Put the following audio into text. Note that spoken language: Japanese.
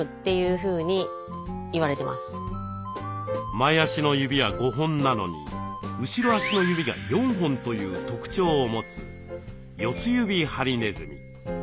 前足の指は５本なのに後ろ足の指が４本という特徴を持つヨツユビハリネズミ。